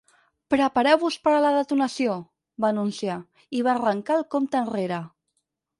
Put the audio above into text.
"Prepareu-vos per a la detonació", va anunciar, i va arrencar el compte enrere.